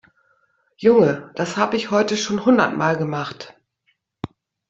Junge, das habe ich heute schon hundertmal gemacht.